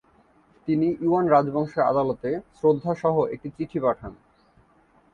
তিনি ইউয়ান রাজবংশের আদালতে শ্রদ্ধা সহ একটি চিঠি পাঠান।